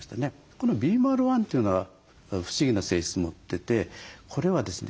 このＢｍａｌ１というのは不思議な性質持っててこれはですね